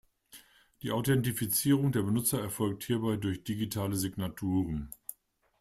Die Authentifizierung der Benutzer erfolgt hierbei durch digitale Signaturen.